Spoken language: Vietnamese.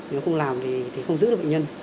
nếu không làm thì không giữ được bệnh nhân